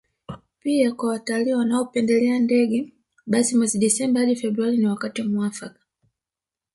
Pia kwa watalii wanaopendelea ndege basi mwezi Disemba hadi Februari ni wakati muafaka